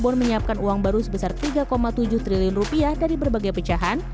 pemerintah menyiapkan uang baru sebesar tiga tujuh triliun rupiah dari berbagai pecahan